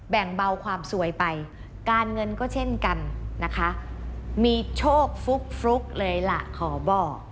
แบ่งเบาความสวยไปการเงินก็เช่นกันนะคะมีโชคฟลุกฟลุกเลยล่ะขอบอก